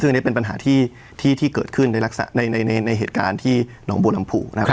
ซึ่งอันนี้เป็นปัญหาที่ที่ที่เกิดขึ้นในรักษาในในในในเหตุการณ์ที่หนองบูรรมภูครับครับ